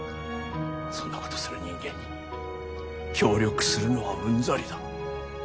そんなことする人間に協力するのはうんざりだ。